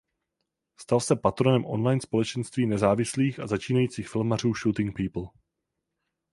Stal se patronem online společenství nezávislých a začínajících filmařů Shooting People.